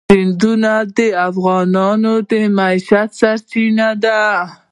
سیندونه د افغانانو د معیشت سرچینه ده.